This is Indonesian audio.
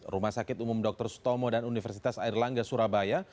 rumah sakit umum dr sutomo dan universitas airlangga surabaya